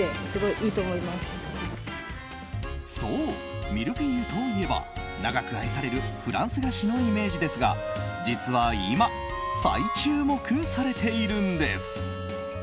そうミルフィーユといえば長く愛されるフランス菓子のイメージですが実は今再注目されているんです。